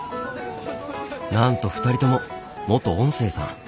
なんと２人とも元音声さん。